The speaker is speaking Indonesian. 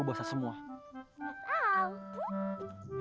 eh lupa aku mau ke rumah